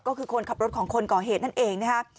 ก็คือคนขับรถของคนก่อเหตุนั่นเองนะฮะ